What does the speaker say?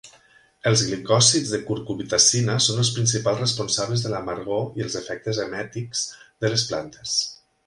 Els glicòsids de cucurbitacina són els principals responsables de l'amargor i els efectes emètics de les plantes.